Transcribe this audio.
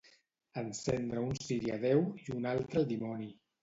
Encendre un ciri a Déu i un altre al dimoni.